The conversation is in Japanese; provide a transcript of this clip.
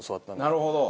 なるほど。